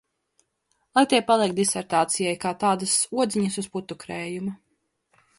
Lai tie paliek disertācijai kā tādas odziņas uz putukrējuma.